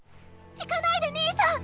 行かないで兄さん！